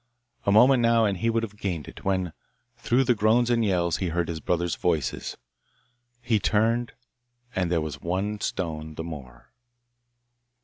A moment now and he would have gained it, when, through the groans and yells, he heard his brothers' voices. He turned, and there was one stone the more.